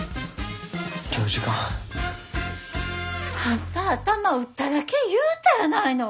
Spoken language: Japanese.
あんた頭打っただけ言うたやないの！